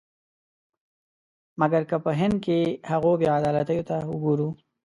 مګر که په هند کې هغو بې عدالتیو ته وګورو.